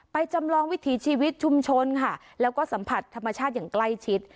จำลองวิถีชีวิตชุมชนค่ะแล้วก็สัมผัสธรรมชาติอย่างใกล้ชิด